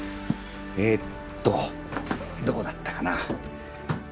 えっとどこだったかな？